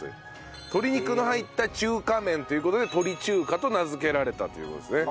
鶏肉の入った中華麺という事で鳥中華と名付けられたという事ですね。